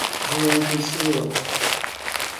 João Pessoa